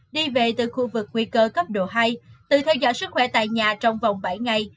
đi về từ khu vực nguy cơ cấp độ hai tự theo dõi sức khỏe tại nhà trong vòng bảy ngày